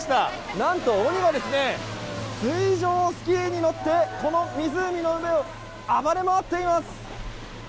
何と鬼が、水上スキーに乗ってこの湖の上を暴れ回っています。